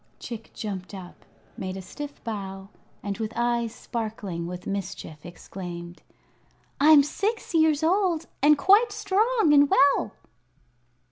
Chick jumped up, made a stiff bow, and with eyes sparkling with mischief exclaimed: "I'm six years old and quite strong and well."